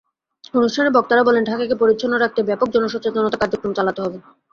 অনুষ্ঠানে বক্তারা বলেন, ঢাকাকে পরিচ্ছন্ন রাখতে ব্যাপক জনসচেতনতা কার্যক্রম চালাতে হবে।